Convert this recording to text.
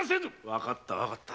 わかったわかった。